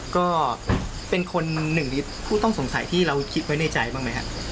ก็เป็นคนหนึ่งในผู้ต้องสงสัยที่เราคิดไว้ในใจบ้างไหมครับ